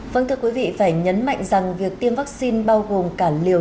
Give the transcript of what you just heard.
vâng thưa quý vị phải nhấn mạnh rằng việc tiêm vaccine bao gồm cả liều